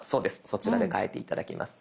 そちらで変えて頂きます。